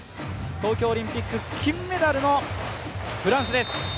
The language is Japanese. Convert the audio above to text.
東京オリンピック金メダルのフランスです。